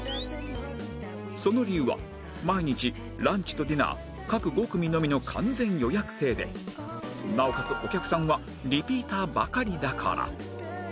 その理由は毎日ランチとディナー各５組のみの完全予約制でなおかつお客さんはリピーターばかりだから